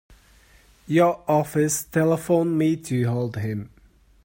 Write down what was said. Your office telephoned me to hold him.